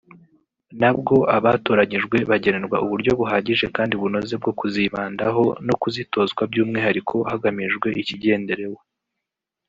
nabwo abatoranyijwe bagenerwa uburyo buhagije kandi bunoze bwo kuzibandaho no kuzitozwa by’umwihariko hagamijwe ikigenderewe